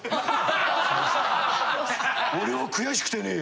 俺は悔しくてね。